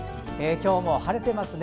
今日も晴れてますね。